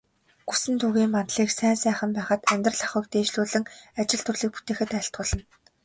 Гүсэнтүгийн мандлыг сайн сайхан байхад, амьдрал ахуйг дээшлүүлэн, ажил төрлийг бүтээхэд айлтгуулна.